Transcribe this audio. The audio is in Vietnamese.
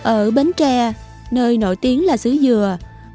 ở bến tre nơi nổi tiếng là sứ dừa